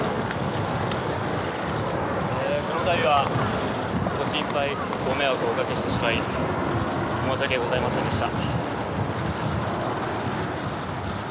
このたびは、ご心配ご迷惑をおかけしてしまい申し訳ございませんでした。